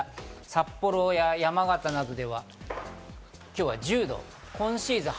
札幌や山形などでは、今日は今シーズン